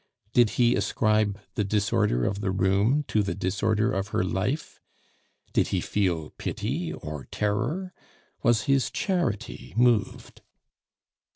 Did he ascribe the disorder of the room to the disorder of her life? Did he feel pity or terror? Was his charity moved?